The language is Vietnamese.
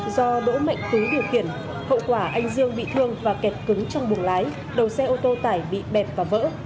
do đỗ mạnh tú điều khiển hậu quả anh dương bị thương và kẹt cứng trong buồng lái đầu xe ô tô tải bị bẹp và vỡ